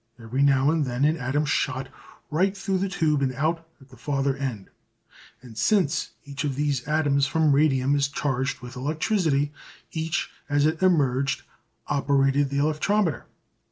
Every now and then an atom shot right through the tube and out at the farther end. And since each of these atoms from radium is charged with electricity, each as it emerged operated the electrometer.